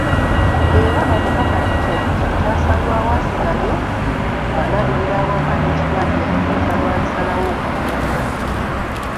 Era omupakasi Kyajja kyasalwawo asigale ng'alabirira awaka n'ekibanja okutuusa lw'alisalawo okugenda.